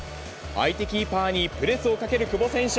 相手キーパーにプレスをかける久保選手。